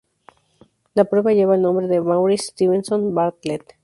La prueba lleva el nombre de Maurice Stevenson Bartlett.